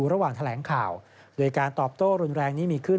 ระหว่างแถลงข่าวโดยการตอบโต้รุนแรงนี้มีขึ้น